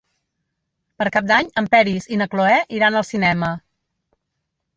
Per Cap d'Any en Peris i na Cloè iran al cinema.